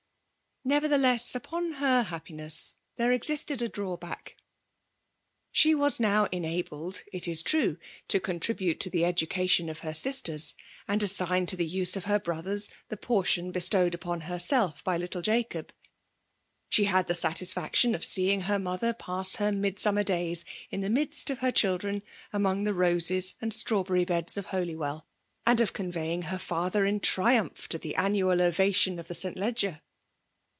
Nevertheless, upon her happiness thore exr ii^d .a drawback. She was now enabled^ it is true, to contribute to the education of h^ sisters, and assign to the uae.of her brotiieis the portion bestowed upon heraelf by little Jacob; — she had the satisfiEu^tion of seeing^ her mother pass her Midsununer days, in tiie midst of her children among the roses and stnmv beery beds of Holywell, and. of convejing ha father in triumph to the annual ovation of the St L^er.